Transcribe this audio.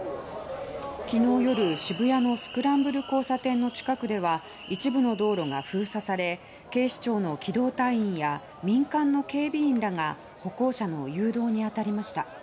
昨日夜、渋谷のスクランブル交差点の近くでは一部の道路が封鎖され、警視庁の機動隊員や民間の警備員らが歩行者の誘導に当たりました。